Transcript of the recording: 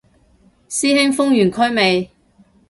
師兄封完區未